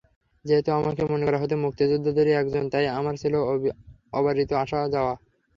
যেহেতু আমাকে মনে করা হতো মুক্তিযোদ্ধাদেরই একজন, তাই আমার ছিল অবারিত আসা-যাওয়া।